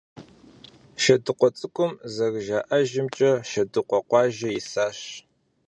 «Шэдыкъуэ цӀыкӀум», зэрыжаӀэжымкӀэ, Шэдыкъуэ къуажэ исащ.